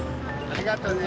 ありがとね！